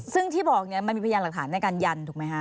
ซึ่งที่บอกเนี่ยมันมีพยานหลักฐานในการยันถูกไหมฮะ